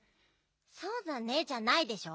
「そうだね」じゃないでしょ。